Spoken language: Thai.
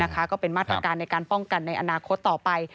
ก็เป็นมาตรการในการป้องกันในอนาคตต่อไป